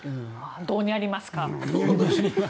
どうニャりますか。